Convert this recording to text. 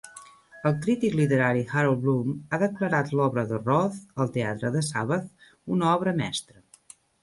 El crític literari Harold Bloom ha declarat l'obra de Roth "El teatre de Sabbath" una obra mestra.